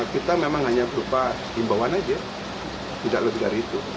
kita memang hanya berupa himbauan saja tidak lebih dari itu